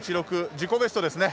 自己ベストですね。